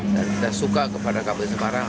dan kita suka kepada kabupaten semarang